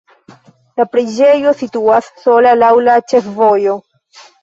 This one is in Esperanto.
La preĝejo situas sola laŭ la ĉefvojo.